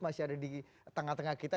masih ada di tengah tengah kita